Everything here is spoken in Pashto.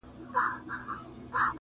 چې په مخ د ځمکې هر سړی ولي شو